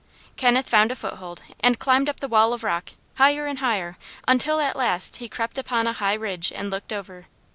Kenneth found a foothold and climbed up the wall of rock, higher and higher, until at last he crept upon a high ridge and looked over.